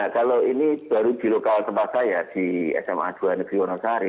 kalau ini baru di lokal tempat saya di sma dua negeri wonosari